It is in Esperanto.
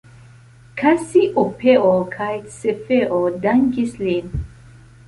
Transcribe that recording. Kasiopeo kaj Cefeo dankis lin.